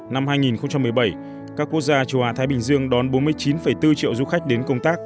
năm hai nghìn một mươi bảy các quốc gia châu á thái bình dương đón bốn mươi chín bốn triệu du khách đến công tác